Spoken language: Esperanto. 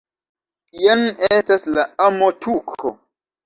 Jen estas la amo-tuko